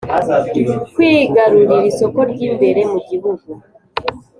Kwigarurira isoko ry’imbere mu gihugu